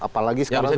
apalagi sekarang sudah